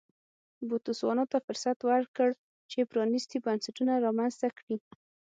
بوتسوانا ته فرصت ورکړ چې پرانیستي بنسټونه رامنځته کړي.